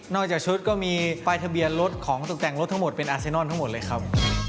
จากชุดก็มีป้ายทะเบียนรถของตกแต่งรถทั้งหมดเป็นอาเซนอนทั้งหมดเลยครับ